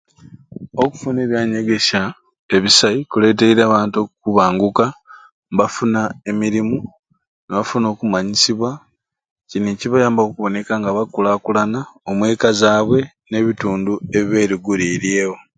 Okufuna ebyanyegesya ebisai kuleteire abantu okubanguka mbafuna emirimu nibafuna okumanyisibwa kini nikibayambaku okuboneka nga okukulakulana omweka zabwe ne bintundu ebyeruguroreyewo